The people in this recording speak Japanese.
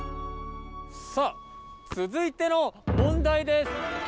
さあつづいての問題です！